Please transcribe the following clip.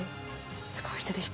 すごい人でした。